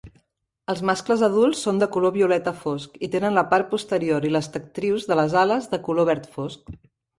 Els mascles adults són de color violeta fosc i tenen la part posterior i les tectrius de les ales de color verd fosc.